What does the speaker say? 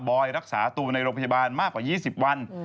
อยรักษาตัวในโรงพยาบาลมากกว่า๒๐วัน